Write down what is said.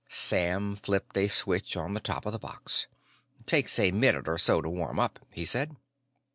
Sam flipped a switch on the top of the box. "Takes a minute or so to warm up," he said.